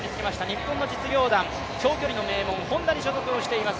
日本の実業団、長距離の名門ホンダに所属しています。